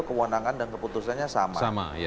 kewenangan dan keputusannya sama